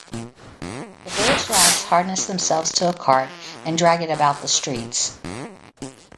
The village lads harness themselves to a cart and drag it about the streets.